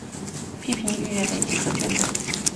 批评预言媒体和誊本